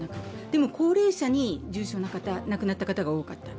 でも、高齢者に重症な方、亡くなった方が多かった。